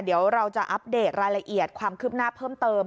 เดี๋ยวเราจะอัปเดตรายละเอียดความคืบหน้าเพิ่มเติม